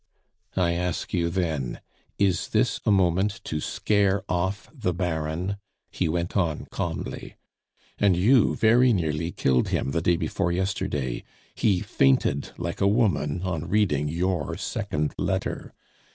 "I ask you, then, is this a moment to scare off the Baron?" he went on calmly. "And you very nearly killed him the day before yesterday; he fainted like a woman on reading your second letter.